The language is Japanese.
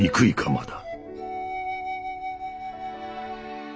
まだ。